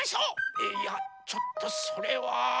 えっいやちょっとそれは。